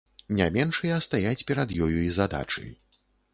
Не меншыя стаяць перад ёю і задачы.